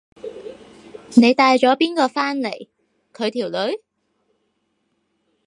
你帶咗邊個返嚟？佢條女？